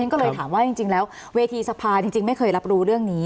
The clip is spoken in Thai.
ก็เลยถามว่าจริงแล้วเวทีสภาจริงไม่เคยรับรู้เรื่องนี้